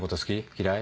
嫌い？